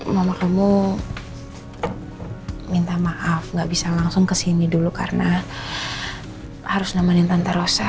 mama kamu minta maaf gak bisa langsung kesini dulu karena harus nemenin tantarosa